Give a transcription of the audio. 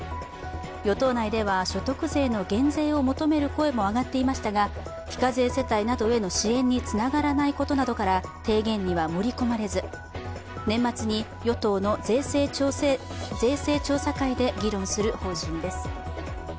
与党内では所得税の減税を求める声も上がっていましたが、非課税世帯などへの支援につながらないことなどから提言には盛り込まれず、年末に与党の税制調査会で議論する方針です。